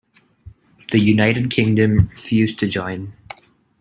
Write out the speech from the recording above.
The United Kingdom refused to join.